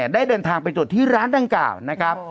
ได้เดินทางไปตรวจที่ร้านดังกล่าวนะครับ